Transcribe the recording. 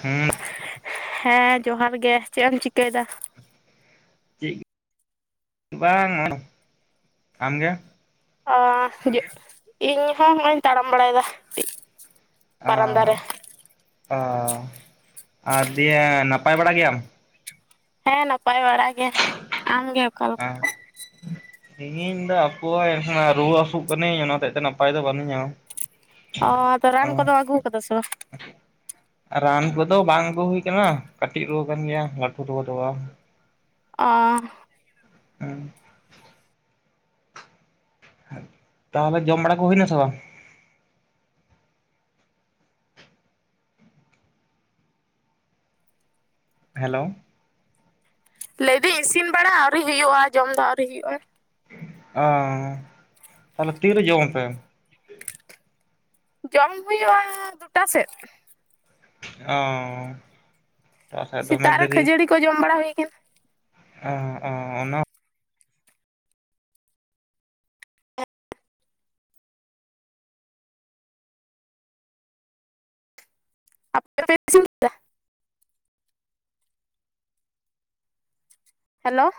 ᱦᱮᱸ ᱦᱮᱸ ᱡᱚᱦᱟᱨ ᱜᱮ ᱪᱮᱫ ᱮᱢ ᱪᱤᱠᱟᱹ ᱮᱫᱟ? ᱪᱮᱫ ᱵᱟᱝ ᱟᱢ ᱜᱮ ᱚ ᱦᱩᱡᱩᱜ ᱤᱧ ᱦᱚᱸ ᱱᱚᱜᱼᱚᱭ ᱛᱟᱲᱟᱢ ᱵᱟᱲᱟᱭᱮᱫᱟ ᱚ ᱵᱟᱨᱟᱱᱫᱟ ᱨᱮ ᱚ ᱟᱨ ᱫᱤᱭᱮ ᱱᱟᱯᱟᱭ ᱵᱟᱲᱟ ᱜᱮᱭᱟᱢ ᱦᱮᱸ ᱱᱟᱯᱟᱭ ᱵᱟᱲᱟᱜ ᱜᱮ ᱟᱢᱜᱮ ᱦᱮ ᱚᱠᱟᱞᱮᱠᱟ? ᱛᱮᱦᱤᱧ ᱫᱚ ᱦᱟᱯᱳᱭ ᱦᱟᱜ ᱨᱩᱣᱟᱹ ᱦᱟᱹᱥᱩᱜ ᱠᱟᱹᱱᱟᱹᱧ ᱚᱱᱟᱛᱮ ᱫᱚ ᱱᱟᱯᱟᱭ ᱫᱚ ᱵᱟᱹᱱᱩᱧ ᱧᱟᱢ ᱚ ᱫᱚ ᱨᱟᱱ ᱠᱚᱫᱚ ᱟᱜᱩ ᱠᱟᱫᱟ ᱥᱮ ᱨᱟᱱ ᱠᱚᱫᱚ ᱵᱟᱝ ᱟᱹᱜᱩ ᱦᱩᱭ ᱟᱠᱟᱱᱟ ᱠ ᱠᱟᱹᱴᱤᱡ ᱨᱩᱣᱟᱹ ᱠᱟᱱ ᱜᱮᱭᱟ ᱞᱟᱹᱴᱩ ᱨᱩᱣᱟᱹ ᱫᱚ ᱵᱟᱝ᱾ ᱟ ᱦᱮᱸ ᱛᱟᱦᱚᱞᱮ ᱡᱚᱢ ᱵᱟᱲᱟ ᱠᱚ ᱦᱩᱭᱱᱟ ᱥᱮ ᱵᱟᱝ? ᱦᱮᱞᱳ ᱞᱟᱹᱭᱫᱟᱹᱧ ᱤᱥᱤᱱ ᱵᱟᱲᱟ ᱟᱹᱣᱨᱤ ᱦᱩᱭᱩᱜᱼᱟ ᱡᱚᱢ ᱫᱚ ᱟᱹᱣᱨᱤ ᱦᱩᱭᱩᱜᱼᱟ ᱚ ᱛᱟᱦᱞᱮ ᱛᱤᱨᱮ ᱡᱚᱢ ᱟᱯᱮ ᱡᱚᱢ ᱦᱩᱭᱩᱜᱼᱟ ᱫᱩᱴᱟ ᱥᱮᱫ ᱚ ᱥᱮᱫ ᱫᱚᱢᱮ ᱥᱮᱛᱟᱜ ᱨᱮ ᱫᱮᱨᱤ ᱠᱷᱟᱹᱡᱟᱹᱲᱤ ᱠᱚ ᱡᱚᱢ ᱵᱟᱲᱟ ᱦᱩᱭ ᱠᱟᱱᱟ ᱚ ᱚ ᱚᱱᱟ ᱟᱯᱮ ᱯᱮ ᱤᱥᱤᱱ ᱠᱮᱫᱟ? ᱦᱮᱞᱳ